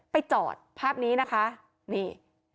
ไปจอดภาพนี้นะคะนี่